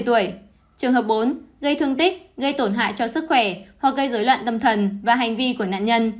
trường hợp bốn gây thương tích gây tổn hại cho sức khỏe hoặc gây dối loạn tâm thần và hành vi của nạn nhân